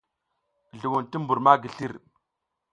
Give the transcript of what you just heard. Zluwun ti mbur ma slir.